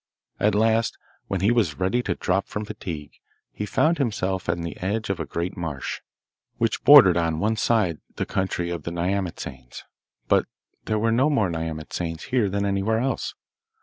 At last, when he was ready to drop from fatigue, he found himself on the edge of a great marsh, which bordered on one side the country of the nyamatsanes. But there were no more nyamatsanes here than anywhere else.